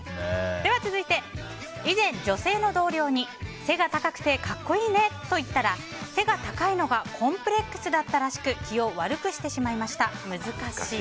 では続いて、以前女性の同僚に背が高くて格好いいねと言ったら背が高いのがコンプレックスだったらしく気を悪くしてしまいました。